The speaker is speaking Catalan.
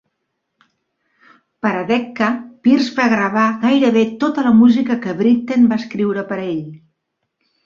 Per a Decca, Pears va gravar gairebé tota la música que Brittten va escriure per a ell.